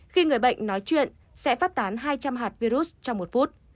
khi người bệnh nói chuyện sẽ phát tán hai trăm linh hạt virus trong một phút